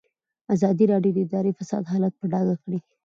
ازادي راډیو د اداري فساد حالت په ډاګه کړی.